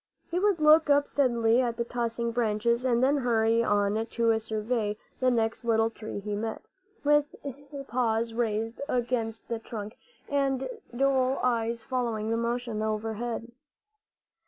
He would look up steadily at the tossing branches, and then hurry on to survey the next little tree he met, with paws raised against the trunk and dull eyes following the motion overhead.